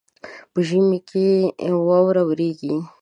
په ژمي کي واوره وريږي.